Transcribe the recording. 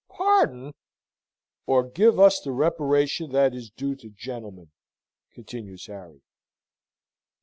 "Pardon?" "Or give us the reparation that is due to gentlemen," continues Harry.